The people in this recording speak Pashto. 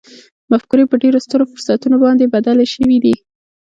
مفکورې په ډېرو سترو فرصتونو باندې بدلې شوې دي